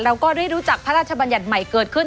เราก็ได้รู้จักพระราชบัญญัติใหม่เกิดขึ้น